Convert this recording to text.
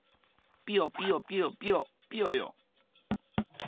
ピヨピヨピヨピヨピヨヨ。